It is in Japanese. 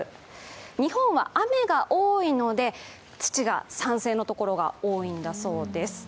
日本は雨が多いので、土が酸性のところが多いんだそうです。